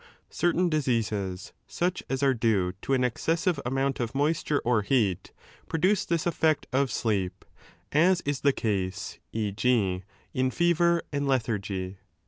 i> Certain diseases, such as are due to an excessive amount of moisture or heat, produce this effect of sleep, as is the case, e.g. in fever and lethargy.